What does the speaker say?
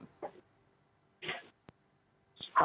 hal tersebut bukan merupakan konten daripada kuasa hukum atau pengacara